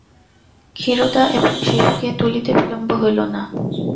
ক্ষীরোদা এবং শিশুকে তুলিতে বিলম্ব হইল না।